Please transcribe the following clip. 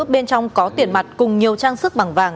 bên trong có tiền mặt cùng nhiều trang sức bằng vàng